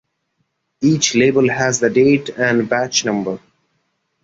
Each label has the date and batch number.